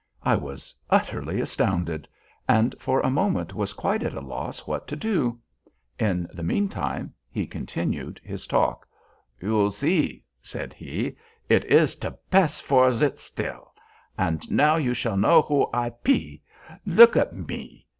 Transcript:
I was utterly astounded, and for a moment was quite at a loss what to do. In the meantime he continued his talk. "You zee," said he, "it iz te bess vor zit still; and now you shall know who I pe. Look at me!